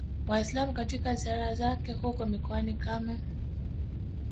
Waislam katika ziara zake huko mikoani kama